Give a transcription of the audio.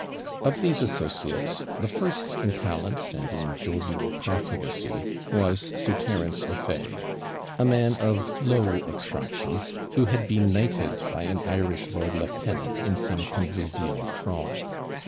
Of these associates, the first in talents, and in jovial profligacy, was Sir Terence O'Fay a man of low extraction, who had been knighted by an Irish lord lieutenant in some convivial frolic.